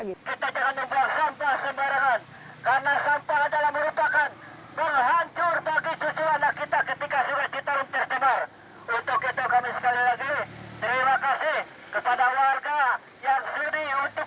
kita jangan membuang sampah sembarangan